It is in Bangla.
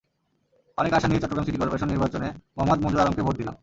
অনেক আশা নিয়ে চট্টগ্রাম সিটি করপোরেশন নির্বাচনে মোহাম্মদ মন্জুর আলমকে ভোট দিলাম।